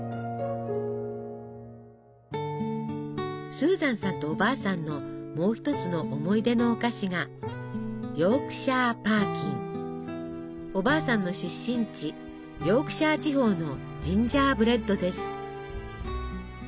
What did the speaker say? スーザンさんとおばあさんのもう一つの思い出のお菓子がおばあさんの出身地ヨークシャー地方のジンジャーブレッドです。